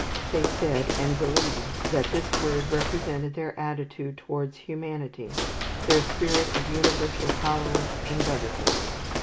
They said and believed that this word represented their attitude towards humanity, their spirit of universal tolerance and brotherhood.